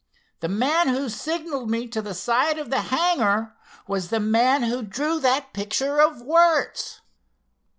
The man who signaled me to the side of the hangar was the man who drew that picture of Wertz."